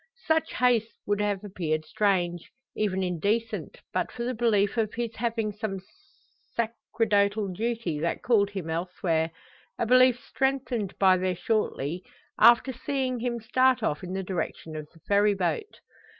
Such haste would have appeared strange even indecent but for the belief of his having some sacerdotal duty that called him elsewhere; a belief strengthened by their shortly after seeing him start off in the direction of the Ferry boat.